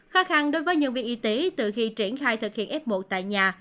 khó khăn đối với nhân viên y tế từ khi triển khai thực hiện f một tại nhà